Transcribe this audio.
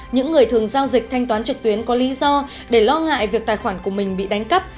những người thường giao dịch thanh toán trực tuyến có lý do để lo ngại việc tài khoản của mình bị đánh cắp